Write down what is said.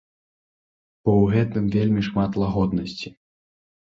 Бо ў гэтым вельмі шмат лагоднасці.